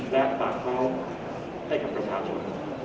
และปากท้องให้กับประชาชน